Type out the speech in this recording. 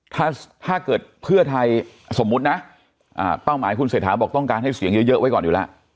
ถ้าเกิดเพื่อไทยสมมุตินะเป้าหมายคุณเศรษฐาบอกต้องการให้เสียงเยอะไว้ก่อนอยู่แล้ว